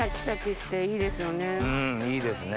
うんいいですね。